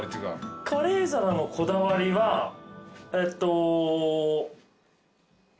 カレー皿のこだわりはえっと。